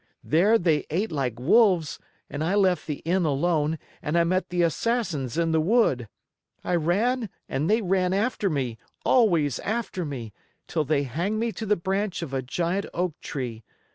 There they ate like wolves and I left the Inn alone and I met the Assassins in the wood. I ran and they ran after me, always after me, till they hanged me to the branch of a giant oak tree.